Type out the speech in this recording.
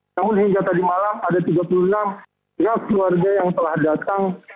namun hingga tadi malam ada tiga puluh enam pihak keluarga yang telah datang